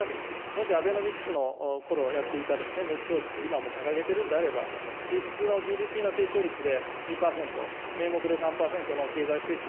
もしアベノミクスのころやっていた目標値と、今も掲げてるんであれば、実質のＧＤＰの成長率で２％、名目で３％の経済成長